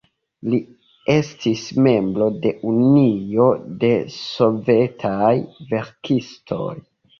Li estis membro de Unio de Sovetaj Verkistoj.